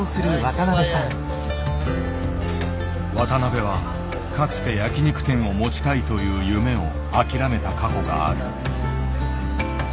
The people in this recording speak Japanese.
渡辺はかつて焼き肉店を持ちたいという夢を諦めた過去がある。